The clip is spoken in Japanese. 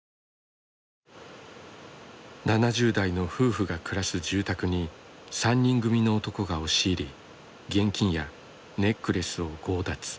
７０代の夫婦が暮らす住宅に３人組の男が押し入り現金やネックレスを強奪。